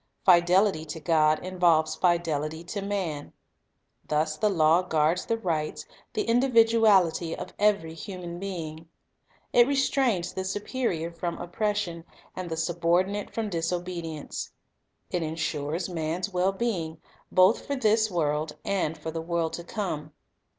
Fidelity to God involves fidelity to man. Thus the law guards the rights, the individuality, of every human being. It restrains the superior from oppression, and the subor dinate from disobedience. It insures man's well being, both for this world and foi the world to come.